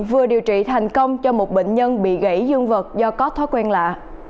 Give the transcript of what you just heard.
vừa điều trị thành công cho một bệnh nhân bị gãy dương vật do có thói quen lạ